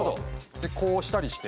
でこうしたりして。